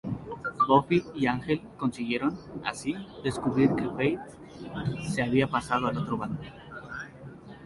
Buffy y Ángel consiguieron, así, descubrir que Faith se había pasado al otro bando.